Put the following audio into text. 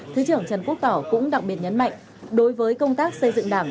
thứ trưởng trần quốc tỏ cũng đặc biệt nhấn mạnh đối với công tác xây dựng đảng